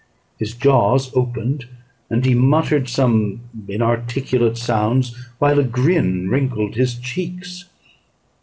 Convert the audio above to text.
His jaws opened, and he muttered some inarticulate sounds, while a grin wrinkled his cheeks.